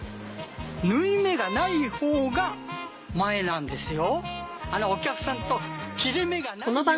縫い目がないほうが前なんですよ。